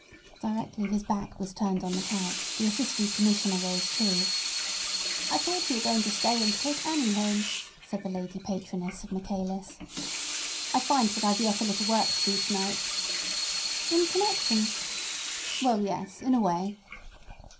Directly his back was turned on the couch the Assistant Commissioner rose too. "I thought you were going to stay and take Annie home," said the lady patroness of Michaelis. "I find that I've yet a little work to do to night." "In connection—?" "Well, yes—in a way."